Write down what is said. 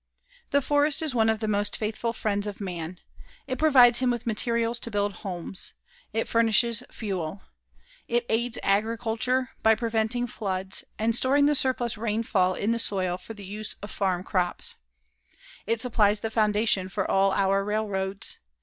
The forest is one of the most faithful friends of man. It provides him with materials to build homes. It furnishes fuel. It aids agriculture by preventing floods and storing the surplus rainfall in the soil for the use of farm crops. It supplies the foundation for all our railroads.